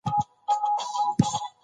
ښځې او نارینه دواړه باید زدهکړه وکړي.